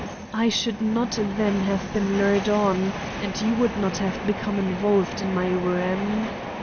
I should not then have been lured on and you would not have become involved in my ruin.